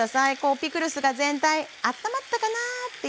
ピクルスが全体あったまったかなぁっていうぐらい。